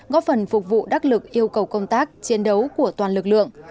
góp phần phục vụ đắc lực yêu cầu công tác chiến đấu của toàn lực lượng